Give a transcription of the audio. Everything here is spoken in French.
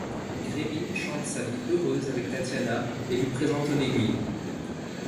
Grémine chante sa vie heureuse avec Tatiana, et lui présente Onéguine.